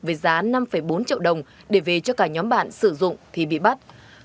với giá năm bốn triệu đồng để về cho cả nhóm bạn sử dụng thì bị bắt